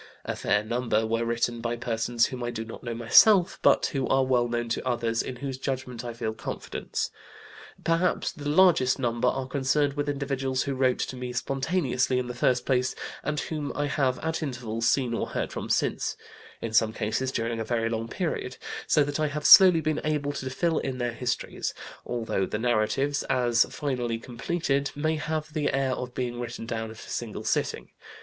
A fair number were written by persons whom I do not myself know, but who are well known to others in whose judgment I feel confidence. Perhaps the largest number are concerned with individuals who wrote to me spontaneously in the first place, and whom I have at intervals seen or heard from since, in some cases during a very long period, so that I have slowly been able to fill in their histories, although the narratives, as finally completed, may have the air of being written down at a single sitting.